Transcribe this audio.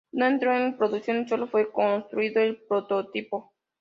No entró en producción y sólo fue construido el prototipo.